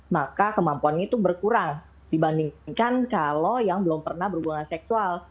maka kemampuannya itu berkurang dibandingkan kalau yang belum pernah berhubungan seksual